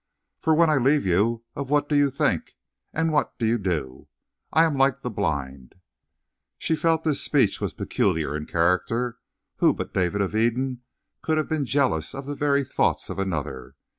"For when I leave you of what do you think, and what do you do? I am like the blind." She felt this speech was peculiar in character. Who but David of Eden could have been jealous of the very thoughts of another?